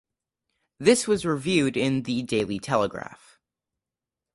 This was reviewed in The Daily Telegraph.